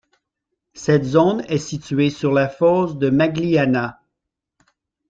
Cette zone est située sur la fosse de Magliana.